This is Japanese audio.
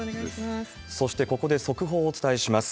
そしてここで速報をお伝えします。